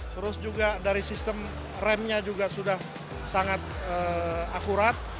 terus juga dari sistem remnya juga sudah sangat akurat